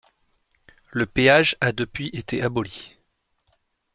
Le péage a depuis été aboli.